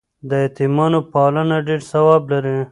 د یتیمانو پالنه ډېر ثواب لري.